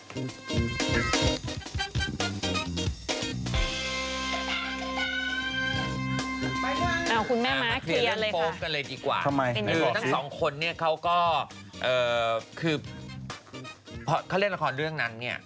คุณแม่มาเคลียรเลยค่ะทั้งสองคนเนี่ยเขาก็คือเขาเล่นละครเรื่องนั้นเนี่ย